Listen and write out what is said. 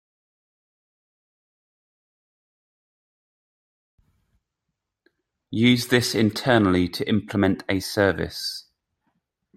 Use this internally to implement a service.